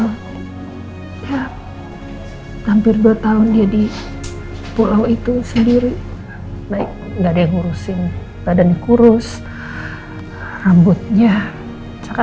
hai ya hampir dua tahun jadi pulau itu sendiri baik enggak diurusin badan kurus rambutnya cak